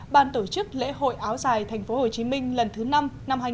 bàn tổ chức lễ hội áo dài tp hcm lần thứ năm năm hai nghìn một mươi năm